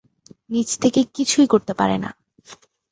নিজ থেকে কিছুই করতে পারে না।